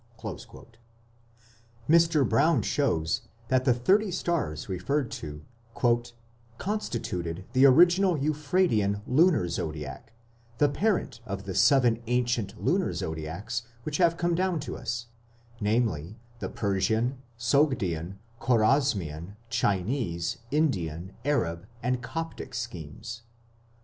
" Mr. Brown shows that the thirty stars referred to "constituted the original Euphratean Lunar Zodiac, the parent of the seven ancient lunar zodiacs which have come down to us, namely, the Persian, Sogdian, Khorasmian, Chinese, Indian, Arab, and Coptic schemes".